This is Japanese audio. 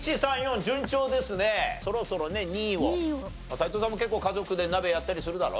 斎藤さんも結構家族で鍋やったりするだろ？